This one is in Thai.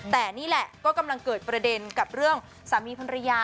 แต่นี่แหละก็กำลังเกิดประเด็นกับเรื่องสามีภรรยา